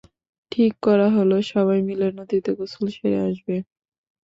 ঠিক করা হলো সবাই মিলে নদীতে গোসল সেরে আসবে।